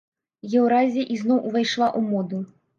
Еўразія ізноў увайшла ў моду.